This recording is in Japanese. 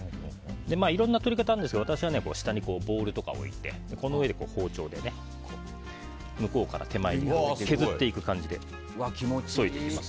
いろんな取り方がありますが私は下にボウルを置いてこの上で包丁で向こうから手前にかけて削っていく感じでそいでいきます。